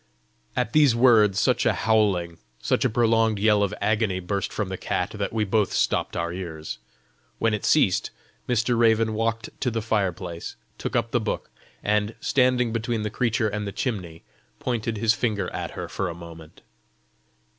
At these words such a howling, such a prolonged yell of agony burst from the cat, that we both stopped our ears. When it ceased, Mr. Raven walked to the fire place, took up the book, and, standing between the creature and the chimney, pointed his finger at her for a moment.